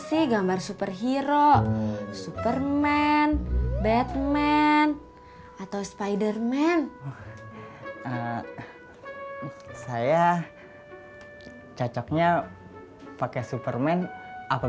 sih gambar superhero superman batman atau spiderman saya cocoknya pakai superman apa